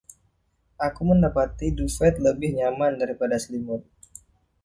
Aku mendapati duvet lebih nyaman daripada selimut